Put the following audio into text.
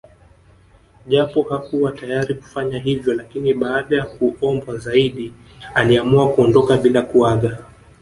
Japo hakuwa tayari kufanya hivyo lakini baada ya kuombwa zaidi aliamua kuondoka bila kuaga